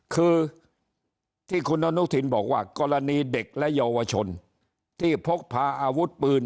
คือที่คุณอนุทินบอกว่ากรณีเด็กและเยาวชนที่พกพาอาวุธปืน